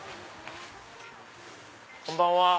こんばんは。